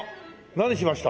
何しました？